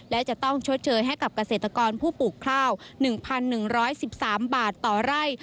และจะต้องชดเชยให้กับเกษตรกรผู้ปลูกข้าว๑๑๑๑๓บาทต่อไร่